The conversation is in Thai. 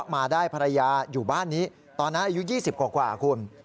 มาได้ภรรยาอยู่บ้านนี้ตอนนั้นอายุ๒๐กว่าคุณ